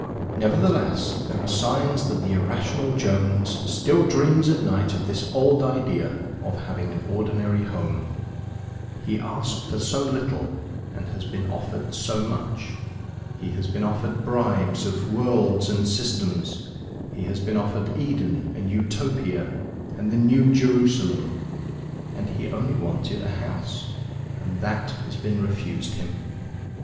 Nevertheless, there are signs that the irrational Jones still dreams at night of this old idea of having an ordinary home. He asked for so little, and he has been offered so much. He has been offered bribes of worlds and systems; he has been offered Eden and Utopia and the New Jerusalem, and he only wanted a house; and that has been refused him.